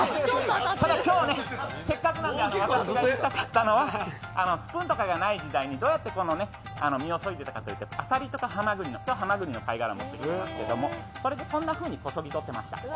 ただ今日はね、せっかくなので私が言いたかったのはスプーンとかがない時代にどうやって身をそいでいたかというとあさりとかはまぐり、今日ははまぐりの貝殻を持ってきていますけど、これでこんなふうにこそぎ取っていました。